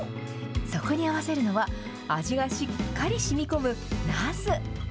そこに合わせるのは、味がしっかりしみ込むなす。